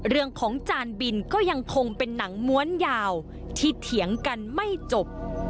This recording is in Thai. ของจานบินก็ยังคงเป็นหนังม้วนยาวที่เถียงกันไม่จบ